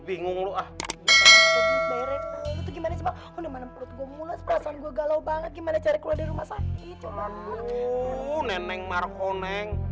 bingung lu ah gimana gimana gimana gimana cari keluar dari rumah sakit aduh neneng marco neng